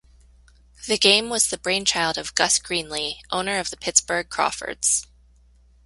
The game was the brainchild of Gus Greenlee, owner of the Pittsburgh Crawfords.